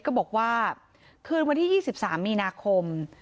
ก็บอกว่าคืนวันที่๒๓มีนาคม